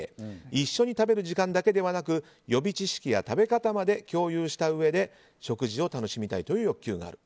一緒に食べる時間だけではなく予備知識や食べ方まで共有したうえで食事を楽しみたいという欲求がある。